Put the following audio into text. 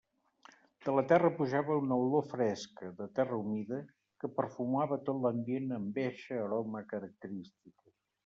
De la terra pujava una olor fresca, de terra humida, que perfumava tot l'ambient amb eixa aroma característica.